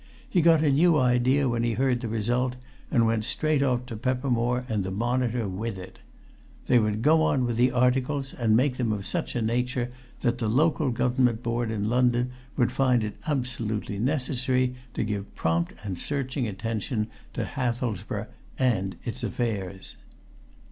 He got a new idea when he heard the result, and went straight off to Peppermore and the Monitor with it. They would go on with the articles, and make them of such a nature that the Local Government Board in London would find it absolutely necessary to give prompt and searching attention to Hathelsborough and its affairs.